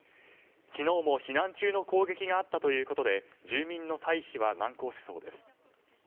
昨日も避難中の攻撃があったということで住民の退避は難航しそうです。